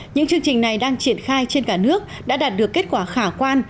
những chương trình này đang triển khai trên cả nước đã đạt được kết quả khả quan